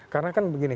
karena kan begini